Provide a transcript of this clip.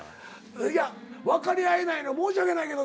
いや分かり合えないの申し訳ないけどな。